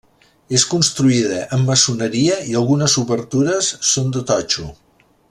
És construïda amb maçoneria i algunes obertures són de totxo.